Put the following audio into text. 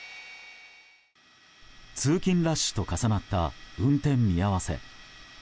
通勤ラッシュと重なった運転見合わせ。